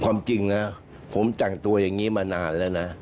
ความจริงนะผมแต่งตัวอย่างนี้มานานแล้วนะ